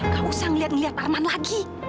gak usah ngeliat ngeliat arman lagi